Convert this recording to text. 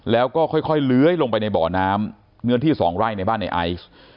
แล้วก็ค่อยเลื้อยลงไปในบ่อน้ำเนื้อที่๒ไร่ในบ้านในไอซ์